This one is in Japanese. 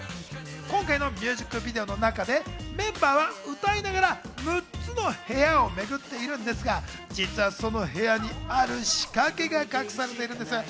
今回のミュージックビデオの中でメンバーは歌いながら６つの部屋をめぐっているんですが、実はその部屋にある仕掛けが隠されているんです。